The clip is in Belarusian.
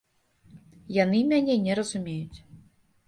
Яны мяне не разумеюць.